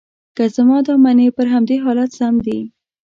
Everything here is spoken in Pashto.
که زما دا منې، پر همدې حالت سم دي.